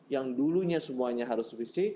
yang dulunya semuanya harus fisik